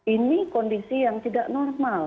ini kondisi yang tidak normal